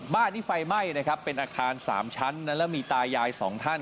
บ้านนี้ไฟไหม้นะครับเป็นอาคาร๓ชั้นนั้นแล้วมีตายายสองท่าน